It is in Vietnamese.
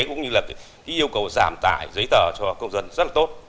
cũng như là cái yêu cầu giảm tải giấy tờ cho công dân rất là tốt